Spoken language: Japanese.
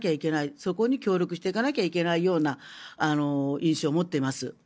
そこに協力していかなきゃいけないような印象を持っています。